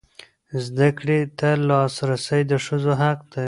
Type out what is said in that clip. زده کړې ته لاسرسی د ښځو حق دی.